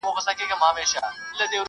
خرخو ځکه پر زمري باندي ډېر ګران وو؛